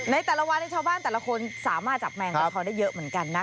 ในแต่ละวันชาวบ้านแต่ละคนสามารถจับแมงกระท้อได้เยอะเหมือนกันนะ